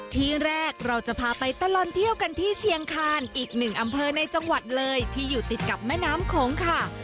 ที่แรกเราจะพาไปตลอดเที่ยวกันที่เชียงคานอีกหนึ่งอำเภอในจังหวัดเลยที่อยู่ติดกับแม่น้ำโขงค่ะ